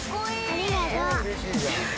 ありがとう。